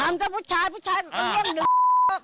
ทำแค่ผู้ชายผู้ชายก็เลี่ยงหนึ่ง